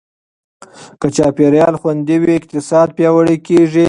که چاپېریال خوندي وي، اقتصاد پیاوړی کېږي.